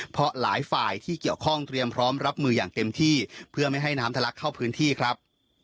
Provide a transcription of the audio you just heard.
เพราะหลายฝ่ายที่เกี่ยวข้องเตรียมพร้อมรับมืออย่างเต็มที่เพื่อไม่ให้น้ำทะลักเข้าพื้นที่ครับ